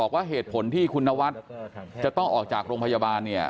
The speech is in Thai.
ครับครับ